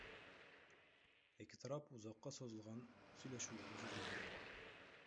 Эки тарап узакка созулган сүйлөшүүлөрдү жүргүздү.